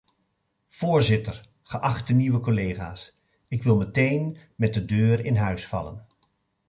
Voorzitter, geachte nieuwe collega's, ik wil meteen met de deur in huis vallen.